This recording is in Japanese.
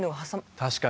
確かに。